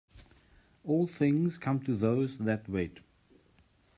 All things come to those that wait.